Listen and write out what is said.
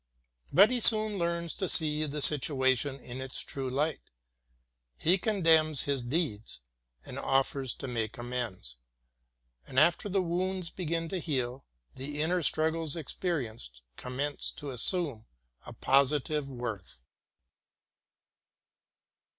But he soon learns to see the situation in its true light; he condemns his deed and offers to make amends. And after the wounds begin to heal again, the inner struggles experienced com mence to assume a positive worth.